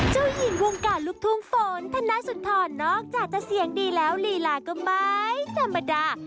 เจ้าหญิงวงการลูกทุ่งฝนธนสุนทรนอกจากจะเสียงดีแล้วลีลาก็ไม่ธรรมดา